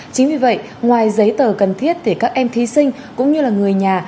chính vì vậy ngoài giấy tờ cần thiết thì các em thí sinh cũng như là người nhà